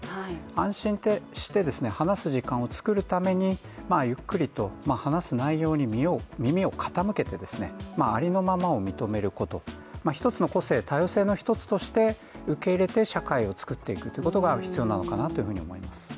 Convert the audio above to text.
安心して話す時間を作るためにゆっくりと話す内容に耳を傾けてありのままを認めること、１つの個性、多様性の１つとして受け入れて社会を作っていくということが必要なのかなと思います。